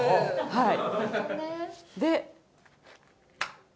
はい。